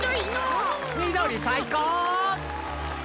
みどりさいこう！